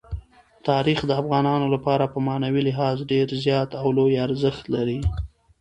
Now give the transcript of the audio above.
تاریخ د افغانانو لپاره په معنوي لحاظ ډېر زیات او لوی ارزښت لري.